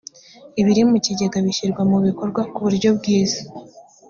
ibiri mukigega bishyirwa mu bikorwa ku buryo bwiza.